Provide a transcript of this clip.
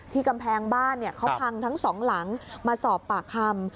กำแพงบ้านเขาพังทั้งสองหลังมาสอบปากคำ